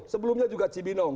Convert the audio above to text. sebelumnya juga cibinong